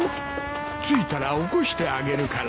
着いたら起こしてあげるから。